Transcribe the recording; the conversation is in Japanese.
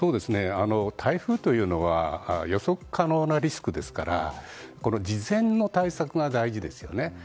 台風というのは予測可能なリスクですから事前の対策が大事ですよね。